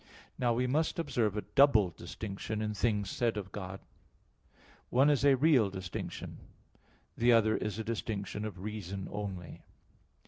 Now we must observe a double distinction in things said of God: one is a real distinction, the other is a distinction of reason only.